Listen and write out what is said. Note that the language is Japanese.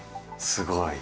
すごい！